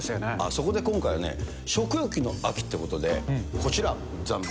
そこで今回はね、食欲の秋ってことで、こちら、じゃん。